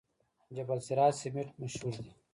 جبل السراج سمنټ مشهور دي؟